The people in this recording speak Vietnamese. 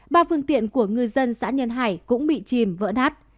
ba phương tiện của ngư dân xã nhân hải cũng bị chìm vỡ nát